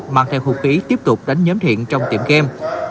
mang theo hụt ký tiếp tục đánh nhóm thiện trong tiệm game